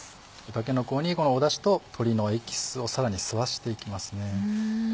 たけのこにこのダシと鶏のエキスをさらに吸わしていきますね。